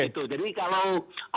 jadi kalau ada orang kritik